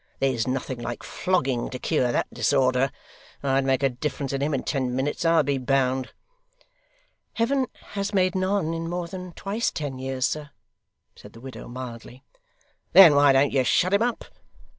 There's nothing like flogging to cure that disorder. I'd make a difference in him in ten minutes, I'll be bound.' 'Heaven has made none in more than twice ten years, sir,' said the widow mildly. 'Then why don't you shut him up?